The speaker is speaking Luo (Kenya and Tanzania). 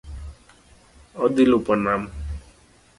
Odhi lupo nam.